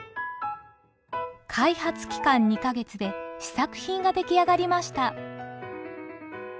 開発期間２か月で試作品が出来上がりました。